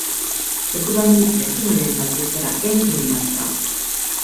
職場に休む連絡したら元気になった